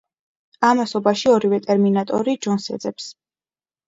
ამასობაში ორივე ტერმინატორი ჯონს ეძებს.